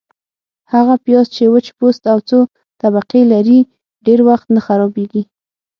- هغه پیاز چي وچ پوست او څو طبقې لري، ډېر وخت نه خرابیږي.